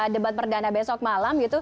debat perdana besok malam